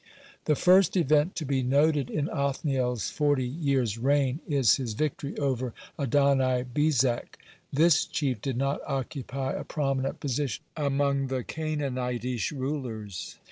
(25) The first event to be noted in Othniel's forty years' reign (26) is his victory over Adoni bezek. This chief did not occupy a prominent position among the Canaanitish rulers.